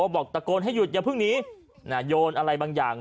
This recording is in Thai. บอกตะโกนให้หยุดอย่าเพิ่งหนีโยนอะไรบางอย่าง